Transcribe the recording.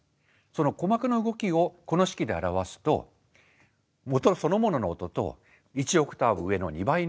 その鼓膜の動きをこの式で表すと音そのものの音と１オクターブ上の２倍の音。